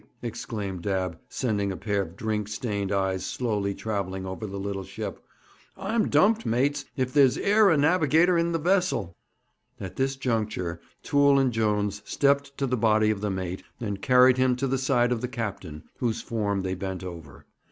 exclaimed Dabb, sending a pair of drink stained eyes slowly travelling over the little ship, 'I'm dumped, mates, if there's e'er a navigator in the vessel!' At this juncture Toole and Jones stepped to the body of the mate, and carried him to the side of the captain, whose form they bent over.